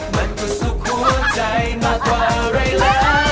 มันก็สุดหัวใจมากกว่าอะไรล่ะ